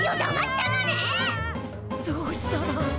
どうしたら。